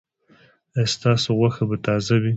ایا ستاسو غوښه به تازه وي؟